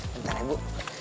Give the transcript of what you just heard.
bentar ya bu